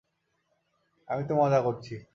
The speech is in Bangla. আমি তো মজা করছি।